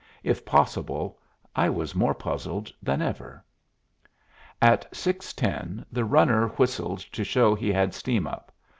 If possible, I was more puzzled than ever. At six ten the runner whistled to show he had steam up.